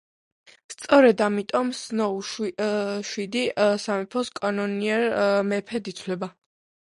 სწორედ ამიტომ სნოუ, შვიდი სამეფოს კანონიერ მეფედ ითვლება.